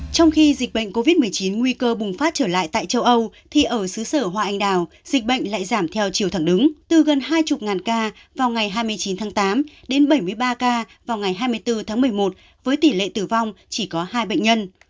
trong khi dịch bệnh covid một mươi chín nguy cơ bùng phát trở lại tại châu âu thì ở xứ sở hoa anh đào dịch bệnh lại giảm theo chiều thẳng đứng từ gần hai mươi ca vào ngày hai mươi chín tháng tám đến bảy mươi ba ca vào ngày hai mươi bốn tháng một mươi một với tỷ lệ tử vong chỉ có hai bệnh nhân